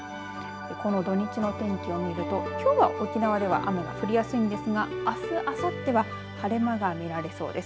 この土日の天気を見るときょうは沖縄では雨が降りやすいんですがあす、あさっては晴れ間が見られそうです。